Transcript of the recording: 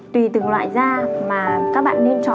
tùy từng loại da mà các bạn nên tán đều lên trên mặt